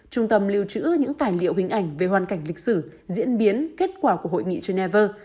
trung tâm lưu trữ những tài liệu hình ảnh về hoàn cảnh lịch sử diễn biến kết quả của hội nghị geneva